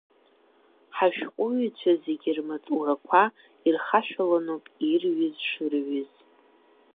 Ҳашәҟәыҩҩцәа зегьы рмаҵурақәа ирхашәаланоуп ирҩыз шырҩыз.